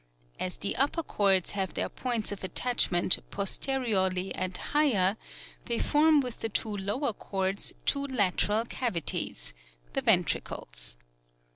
As the upper cords have their points of attachment posteriorly and higher, they form with the two lower cords two lateral cavities — the ventricles.